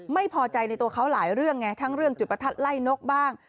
ไม่พอใจในตัวเขาหลายเรื่องไงทั้งเรื่องจุดประทัดไล่นกบ้าง